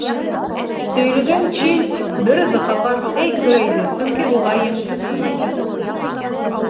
Төйлөгән Чиль бер үҙе ҡалғас, эй, көрәйҙе, сөнки уға емтек күбәйҙе.